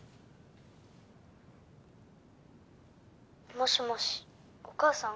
もしもしお母さん？